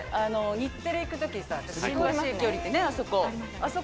日テレ行くときさ、新橋駅降りて、あそこ。